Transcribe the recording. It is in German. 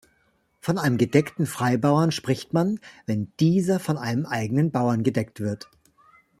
Von einem gedeckten Freibauern spricht man, wenn dieser von einem eigenen Bauern gedeckt wird.